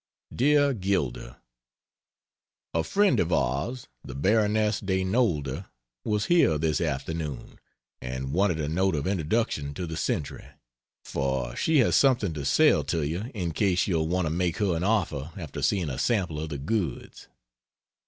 DEAR GILDER, A friend of ours (the Baroness de Nolda) was here this afternoon and wanted a note of introduction to the Century, for she has something to sell to you in case you'll want to make her an offer after seeing a sample of the goods.